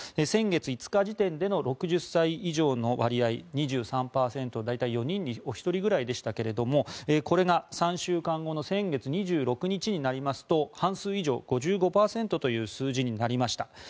先月５日時点での６０歳以上の割合、２３％大体４人に１人ぐらいでしたがこれが３週間後の先月２６日になりますと半数以上、５５％という数字になりました。